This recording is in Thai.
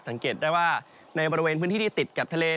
สังเกตได้ว่าในบริเวณพื้นที่ที่ติดกับทะเล